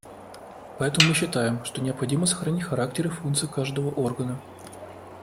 Поэтому мы считаем, что необходимо сохранить характер и функции каждого органа.